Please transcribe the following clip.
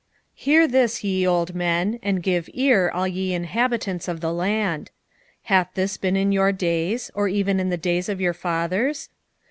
1:2 Hear this, ye old men, and give ear, all ye inhabitants of the land. Hath this been in your days, or even in the days of your fathers?